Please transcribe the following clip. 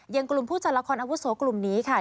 อย่างกลุ่มผู้จัดละครอาวุโสกลุ่มนี้ค่ะ